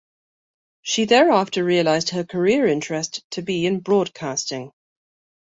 She thereafter realised her career interest to be in broadcasting.